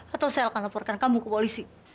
atau saya akan laporkan kamu ke polisi